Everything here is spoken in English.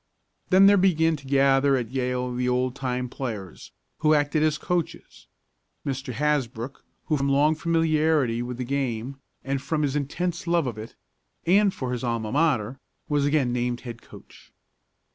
Then there began to gather at Yale the oldtime players, who acted as coaches. Mr. Hasbrook, who from long familiarity with the game, and from his intense love of it, and for his alma mater, was again named as head coach.